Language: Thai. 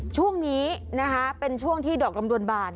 ช่วงนี้นะคะเป็นช่วงที่ดอกลำดวนบาน